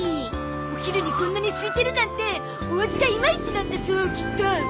お昼にこんなにすいてるなんてお味がイマイチなんだゾきっと。